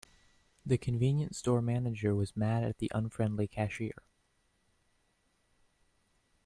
The convenience store manager was mad at the unfriendly cashier.